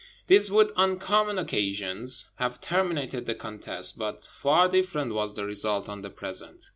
This would on common occasions have terminated the contest, but far different was the result on the present.